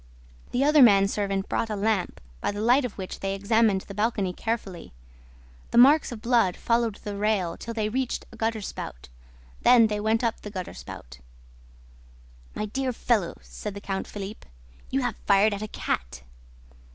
The other man servant brought a lamp, by the light of which they examined the balcony carefully. The marks of blood followed the rail till they reached a gutter spout; then they went up the gutter spout. "My dear fellow," said Count Philippe, "you have fired at a cat."